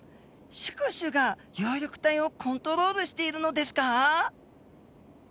宿主が葉緑体をコントロールしているのですか？